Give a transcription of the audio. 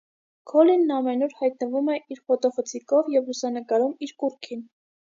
Քոլինն ամենուր հայտնվում է իր ֆոտոխցիկով և լուսանկարում իր կուռքին։